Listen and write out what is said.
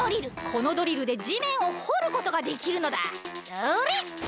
このドリルでじめんをほることができるのだそれ！